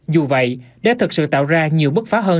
dù vậy để thực sự tạo ra nhiều bước phá hơn